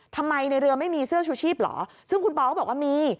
ทำไมในเรือไม่มีเสื้อชูชีพเหรอซึ่งคุณปอก็บอกว่ามี